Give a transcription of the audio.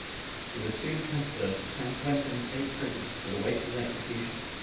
He was soon transferred to San Quentin State Prison to await his execution.